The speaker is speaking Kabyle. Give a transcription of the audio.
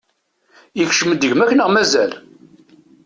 Ikcem-d gma-k neɣ mazal?